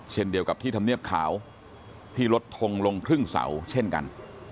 เช่นเดียวกับที่ธรรมเนียบขาวที่ลดทงลงครึ่งเสาเช่นกัน